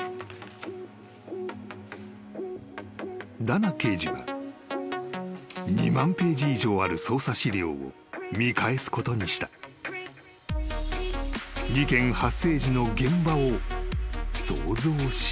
［ダナ刑事は２万ページ以上ある捜査資料を見返すことにした］［事件発生時の現場を想像しながら］